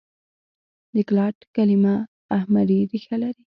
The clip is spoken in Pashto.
د ګلټ کلیمه اهمري ریښه لري.